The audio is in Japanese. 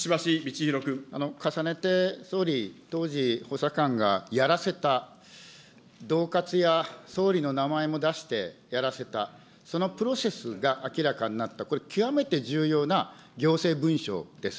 重ねて総理、当時補佐官がやらせた、どう喝や総理の名前も出してやらせた、そのプロセスが明らかになった、これ、極めて重要な行政文書です。